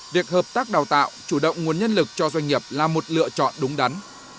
việc hợp tác đào tạo chủ động nguồn nhân lực cho doanh nghiệp là một lựa chọn đúng đắn